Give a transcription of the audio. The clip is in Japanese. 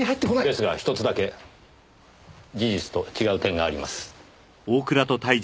ですがひとつだけ事実と違う点があります。